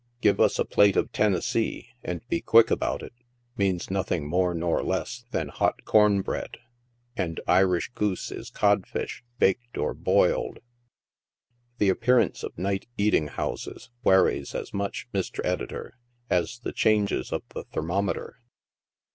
" Give us a plate of Tennessee, and be quick about it," means nothing more nor less than hot corn bread, and " Irish goose" is codfish, baked or boiled. The appearance of night eating houses waries as much, Mr. Editor, as the changes of the thermometer.